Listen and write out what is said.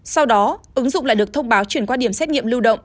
sau đó ứng dụng lại được thông báo chuyển qua điểm xét nghiệm lưu động